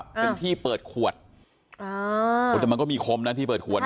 เป็นที่เปิดขวดอ่าแต่มันก็มีคมนะที่เปิดขวดนะ